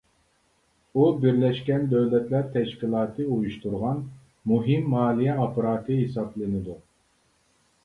ئۇ بىرلەشكەن دۆلەتلەر تەشكىلاتى ئۇيۇشتۇرغان مۇھىم مالىيە ئاپپاراتى ھېسابلىنىدۇ.